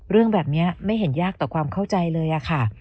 เรื่องแบบนี้ไม่เห็นยากต่อความเข้าใจเลยค่ะ